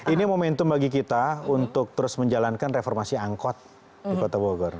ini momentum bagi kita untuk terus menjalankan reformasi angkot di kota bogor